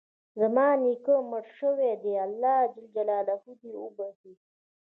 زما نیکه مړ شوی ده، الله ج د وبښي